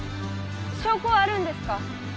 証拠はあるんですか？